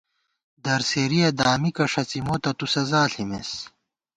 درسېرِیہ دامِکہ ݭڅی مو تہ تُو سزا ݪِمېس